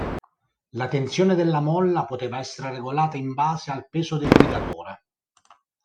La tensione della molla poteva essere regolata in base al peso del guidatore.